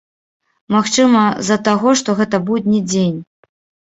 Магчыма, з-за таго, што гэта будні дзень.